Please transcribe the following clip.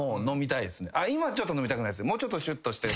今はちょっと飲みたくないです。